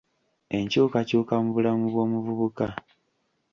Enkyukakyuka mu bulamu bw'omuvubuka .